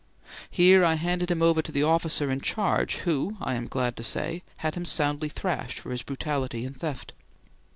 Here I handed him over to the officer in charge, who, I am glad to say, had him soundly thrashed for his brutality and theft.